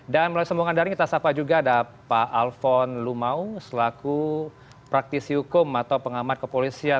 dan melalui sembuhkan daring kita sapa juga ada pak alfon lumau selaku praktisi hukum atau pengamat kepolisian